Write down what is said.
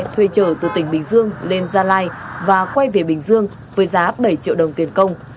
thuê trở từ tỉnh bình dương lên gia lai và quay về bình dương với giá bảy triệu đồng tiền công